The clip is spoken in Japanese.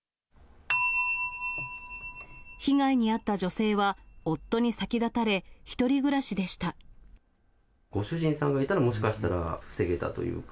被害に遭った女性は、ご主人さんがいたら、もしかしたら防げたというか。